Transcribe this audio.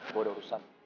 gue ada urusan